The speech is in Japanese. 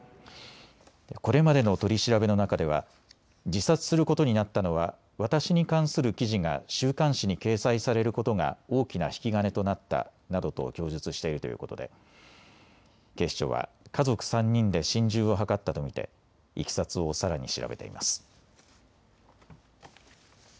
これまでの取り調べの中では自殺することになったのは私に関する記事が週刊誌に掲載されることが大きな引き金となったなどと供述しているということで警視庁は家族３人で心中を図ったと見ていきさつをさらに調べています。